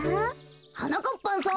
はなかっぱんさん。